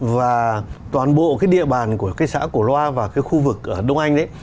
và toàn bộ cái địa bàn của cái xã cổ loa và cái khu vực ở đông anh ấy